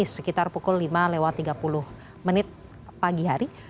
sekitar pukul lima lewat tiga puluh menit pagi hari